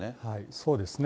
そうですね。